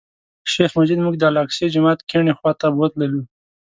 شیخ مجید موږ د الاقصی جومات کیڼې خوا ته بوتللو.